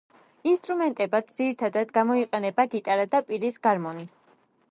ინსტრუმენტებად ძირითადად გამოიყენება გიტარა და პირის გარმონი.